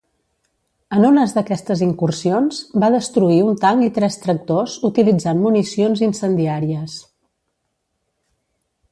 En unes d’aquestes incursions, va destruir un tanc i tres tractors utilitzant municions incendiàries.